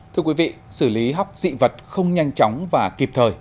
thưa quý vị xử lý hóc dị vật không nhanh chóng và kịp thời